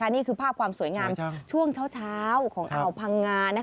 นี่คือภาพความสวยงามช่วงเช้าของอ่าวพังงา